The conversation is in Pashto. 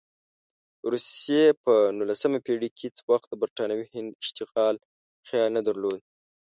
روسیې په نولسمه پېړۍ کې هېڅ وخت د برټانوي هند اشغال خیال نه درلود.